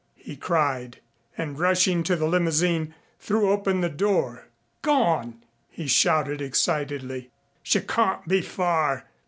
he cried and, rushing to the limousine, threw open the door. "Gone!" he shouted excitedly. "She can't be far.